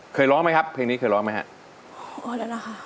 เคยล้อนไหมครับเหล่านี้เคยล้อนไหมครับ